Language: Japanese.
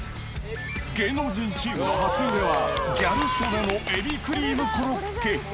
芸能人チーム初売れは、ギャル曽根のエビクリームコロッケ。